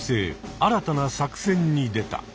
新たな作戦に出た。